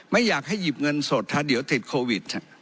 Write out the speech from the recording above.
ไม่อยากให้หยิบเงินสดถ้าเดี๋ยวติดโควิด